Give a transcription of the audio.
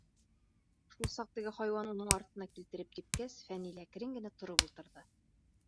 Шул саҡ теге хайуан уның артына килтереп типкәс, Фәнил әкрен генә тороп ултырҙы.